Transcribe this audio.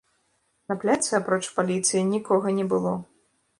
На пляцы, апроч паліцыі, нікога не было.